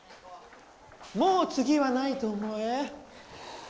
もうつぎはないと思え！